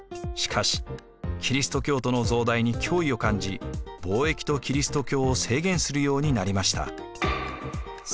しかしキリスト教徒の増大に脅威を感じ貿易とキリスト教を制限するようになりました。